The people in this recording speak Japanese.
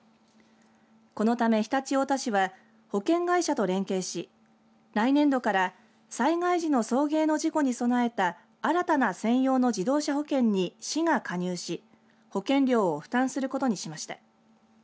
このため常陸太田市は保険会社と連携し来年度から災害地の送迎の事故に備えた新たな専用の自動車保険に市が加入し保険料を負担することにしました。